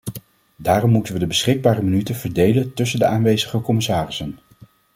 Daarom moeten we de beschikbare minuten verdelen tussen de aanwezige commissarissen.